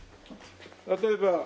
例えば。